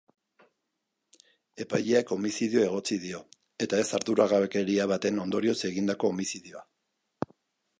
Epaileak homizidioa egotzi dio, eta ez arduragabekeria baten ondorioz egindako homizidioa.